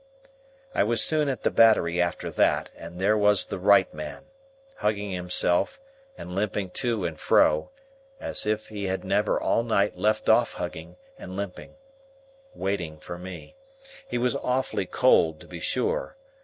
I was soon at the Battery after that, and there was the right man,—hugging himself and limping to and fro, as if he had never all night left off hugging and limping,—waiting for me. He was awfully cold, to be sure.